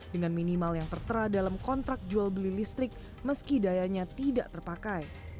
dengan minimal yang tertera dalam kontrak jual beli listrik meski dayanya tidak terpakai